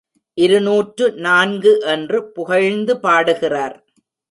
இருநூற்று நான்கு என்று புகழ்ந்து பாடுகிறார்.